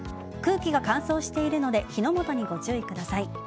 空気が乾燥しているので火の元にご注意ください。